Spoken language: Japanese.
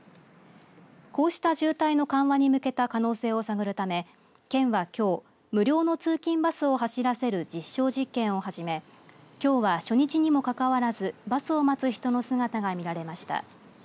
こうした渋滞の緩和に向けた可能性を探るため県はきょう無料の通勤バスを走らせる実証実験を始めきょうは初日にもかかわらずバスを待つ人の姿が見られました。